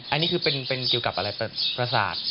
อันนี้คือเป็นเกี่ยวกับอะไรประสาท